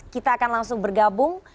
kita akan langsung bergabung